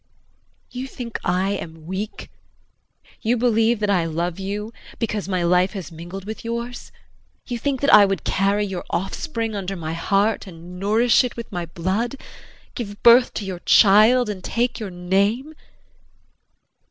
You think I am weak; you believe that I love you because my life has mingled with yours; you think that I would carry your offspring under my heart, and nourish it with my blood give birth to your child and take your name!